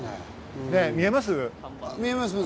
見えますか？